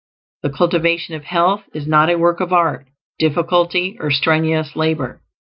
The cultivation of health is not a work of art, difficulty, or strenuous labor.